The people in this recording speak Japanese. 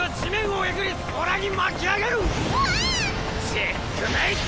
チェックメイト！